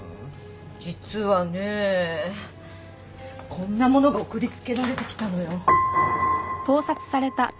実はねこんな物が送り付けられてきたのよ。